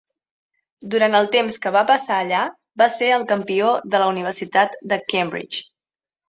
Durant el temps que va passar allà, va ser el campió de la Universitat de Cambridge.